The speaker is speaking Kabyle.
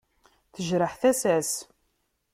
Tejreḥ tasa-s.